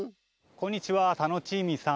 こんにちはタノチーミーさん